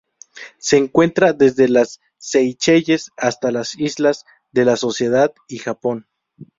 Se encuentra desde las Seychelles hasta las Islas de la Sociedad y Japón.